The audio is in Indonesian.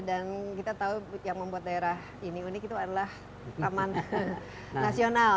dan kita tahu yang membuat daerah ini unik itu adalah taman nasional